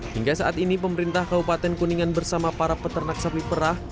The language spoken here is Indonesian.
hingga saat ini pemerintah kabupaten kuningan bersama para peternak sapi perah